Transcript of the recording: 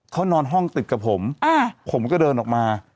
เขานอนห้องติดกับผมผมก็เดินออกมา